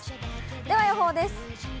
では予報です。